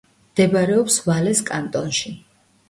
მდებარეობს ვალეს კანტონში.